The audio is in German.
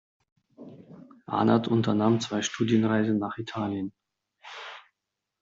Ahnert unternahm zwei Studienreisen nach Italien.